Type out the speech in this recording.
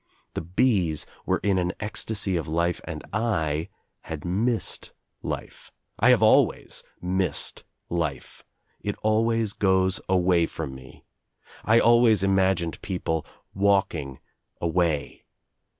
The bees were in an ecstasy of life and I had missed life. I have always missed life. It always goes away from me. I always im agined people walking away.